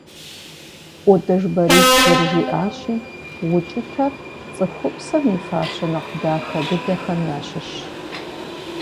ӀутӀыж Борис зэрыжиӀащи укӀытэр цӀыхупсэм и фащэ нэхъ дахэ дыдэхэм ящыщщ.